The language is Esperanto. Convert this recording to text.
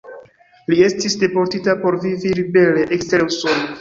Li estis deportita por vivi libere ekster Usono.